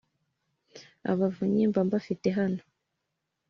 Abavunyi mba mbafite hano